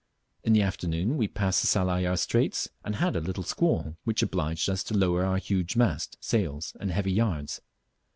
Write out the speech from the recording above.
In the afternoon we passed the Salayer Straits and had a little squall, which obliged us to lower our huge mast, sails, and heavy yards.